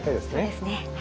そうですね。